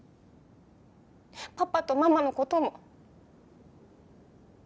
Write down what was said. パパとママの事も。